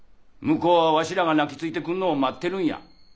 向こうはわしらが泣きついてくるのを待ってるんや。